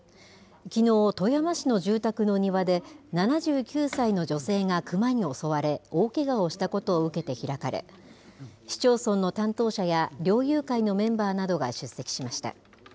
きのう、富山市の住宅の庭で、７９歳の女性がクマに襲われ、大けがをしたことを受けて開かれ、市町村の担当者や猟友会のメンバーなどが出席しました。